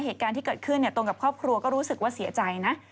เหตุการณ์ที่เกิดขึ้นตนกับครอบครัวก็รู้สึกว่าเสียใจนะ